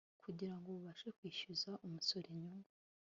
kugira ngo bubashe kwishyuza umusoro inyungu